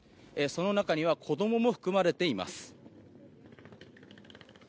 その中には子供も含まれています。